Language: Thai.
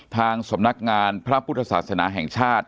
ทางสำนักงานพระพุทธศาสนาแห่งชาติ